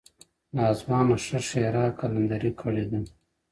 ناځوانه ښه ښېرا قلندري کړې ده!!